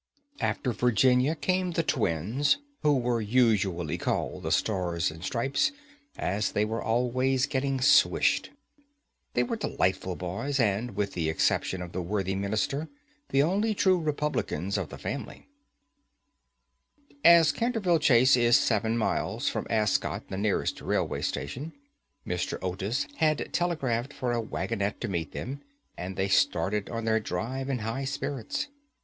After Virginia came the twins, who were usually called "The Star and Stripes," as they were always getting swished. They were delightful boys, and, with the exception of the worthy Minister, the only true republicans of the family. [Illustration: "HAD ONCE RACED OLD LORD BILTON ON HER PONY"] As Canterville Chase is seven miles from Ascot, the nearest railway station, Mr. Otis had telegraphed for a waggonette to meet them, and they started on their drive in high spirits.